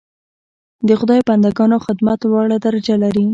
د خدای بنده ګانو خدمت لوړه درجه لري.